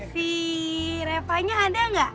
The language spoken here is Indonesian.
si repanya ada gak